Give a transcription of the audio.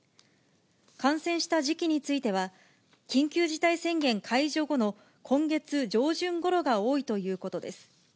感染した時期については、緊急事態宣言解除後の今月上旬ごろが多いということです。